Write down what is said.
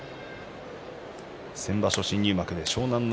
先場所新入幕で湘南乃